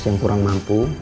yang kurang mampu